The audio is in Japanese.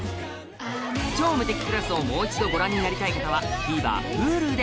『超無敵クラス』をもう一度ご覧になりたい方はＴＶｅｒＨｕｌｕで